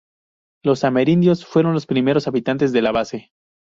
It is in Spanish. Los amerindios fueron los primeros habitantes de la base.